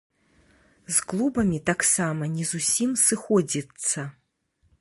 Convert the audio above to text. З клубамі таксама не зусім сыходзіцца.